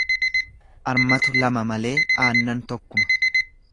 Armatu lama malee aannan tokkuma.